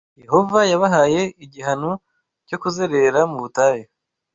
Yehova yabahaye igihano cyo kuzerera mu butayu